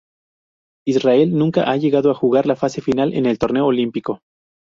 Israel nunca ha llegado a jugar la fase final en el torneo olímpico.